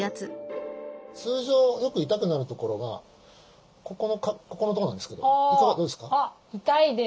通常よく痛くなるところがここのとこなんですけどどうですか？